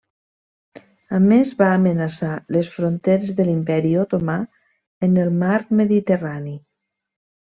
A més va amenaçar les fronteres de l'Imperi Otomà en el mar Mediterrani.